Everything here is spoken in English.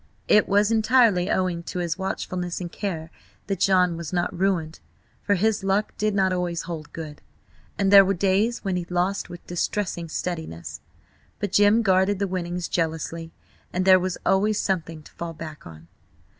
It was entirely owing to his watchfulness and care that John was not ruined, for his luck did not always hold good, and there were days when he lost with distressing steadiness. But Jim guarded the winnings jealously, and there was always something to fall back on.